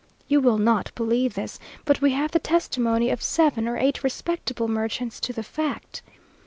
You will not believe this; but we have the testimony of seven or eight respectable merchants to the fact.